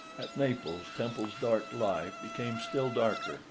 At Naples Temple's dark life became still darker.